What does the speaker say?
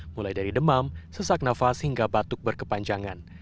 mulai dari demam sesak nafas hingga batuk berkepanjangan